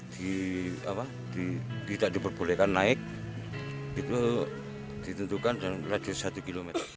di apa tidak diperbolehkan naik itu ditentukan dan lagi satu km